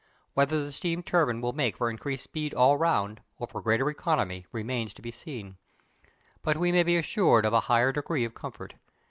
Whether the steam turbine will make for increased speed all round, or for greater economy, remains to be seen; but we may be assured of a higher degree of comfort.